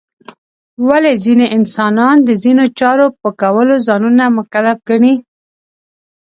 ولې ځینې انسانان د ځینو چارو په کولو ځانونه مکلف ګڼي؟